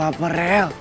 mereka cuma merel